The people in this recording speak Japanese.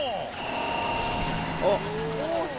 おっ。